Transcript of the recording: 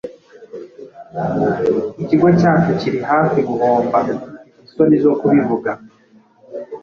Ikigo cyacu kiri hafi guhomba, mfite isoni zo kubivuga.